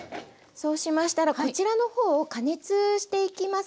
そうしましたらこちらの方を加熱していきます。